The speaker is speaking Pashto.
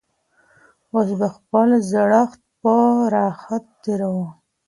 اوس به خپل زړښت په راحت تېروي.